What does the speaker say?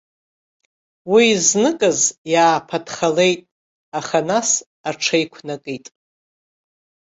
Уи зныказ иааԥаҭхалеит, аха нас аҽеиқәнакит.